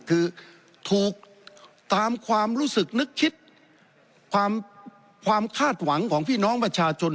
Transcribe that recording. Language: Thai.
คือถูกตามความรู้สึกนึกคิดความความคาดหวังของพี่น้องประชาชน